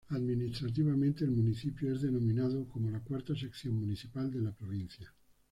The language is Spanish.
Administrativamente, el municipio es denominado como la "cuarta sección municipal" de la provincia.